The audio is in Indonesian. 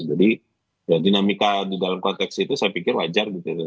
jadi dinamika di dalam konteks itu saya pikir wajar gitu ya